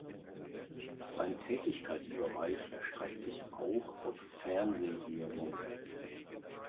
Sein Tätigkeitsbereich erstreckt sich auch auf Fernsehserien.